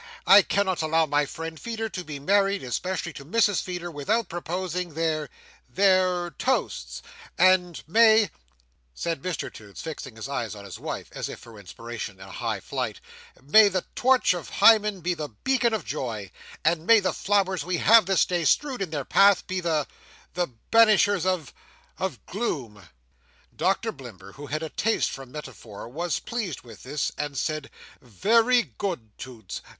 I cannot allow my friend Feeder to be married—especially to Mrs Feeder—without proposing their—their—Toasts; and may," said Mr Toots, fixing his eyes on his wife, as if for inspiration in a high flight, "may the torch of Hymen be the beacon of joy, and may the flowers we have this day strewed in their path, be the—the banishers of—of gloom!" Doctor Blimber, who had a taste for metaphor, was pleased with this, and said, "Very good, Toots!